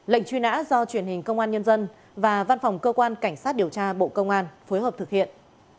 lệnh truy nã do truyền hình công an nhân dân và văn phòng cơ quan cảnh sát điều tra bộ công an phối hợp thực hiện